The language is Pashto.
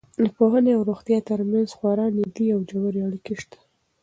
د پوهنې او روغتیا تر منځ خورا نږدې او ژورې اړیکې شته.